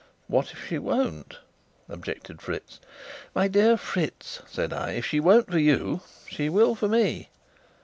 "What if she won't?" objected Fritz. "My dear Fritz," said I, "if she won't for you, she will for me."